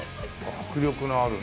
迫力のあるね。